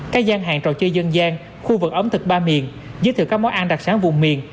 các gian hàng trò chơi dân gian khu vực ẩm thực ba miền giới thiệu các món ăn đặc sản vùng miền